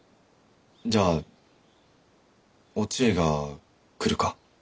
じゃあおちえが来るか？